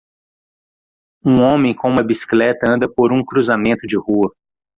Um homem com uma bicicleta anda por um cruzamento de rua.